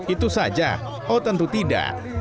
itu saja oh tentu tidak